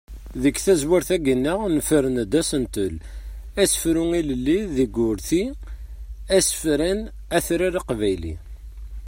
Deg tezrawt-agi-nneɣ nefren-d asentel: asefru ilelli deg urti asefran atrar aqbayli.